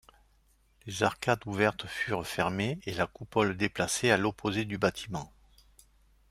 Les arcades ouvertes furent fermées et la coupole déplacée à l'opposé du bâtiment.